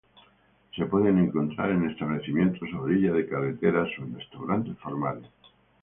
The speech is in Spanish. Se puede encontrar en establecimientos a la orilla de carreteras o en restaurantes formales.